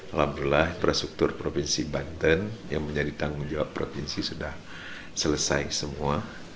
alhamdulillah infrastruktur provinsi banten yang menjadi tanggung jawab provinsi sudah selesai semua